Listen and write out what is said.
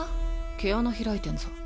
毛穴開いてんぞ。